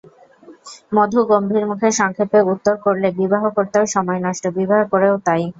মধু গম্ভীরমুখে সংক্ষেপে উত্তর করলে, বিবাহ করতেও সময় নষ্ট, বিবাহ করেও তাই।